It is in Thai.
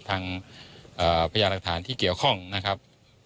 พยานหลักฐานที่เกี่ยวข้องนะครับ